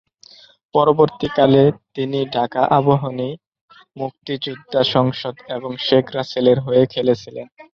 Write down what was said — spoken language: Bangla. পরবর্তীকালে, তিনি ঢাকা আবাহনী, মুক্তিযোদ্ধা সংসদ এবং শেখ রাসেলের হয়ে খেলেছিলেন।